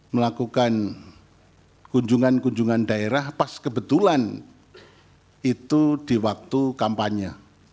melakukan kunjungan kunjungan daerah pas kebetulan itu di waktu kampanye